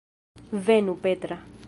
Venu, Petra.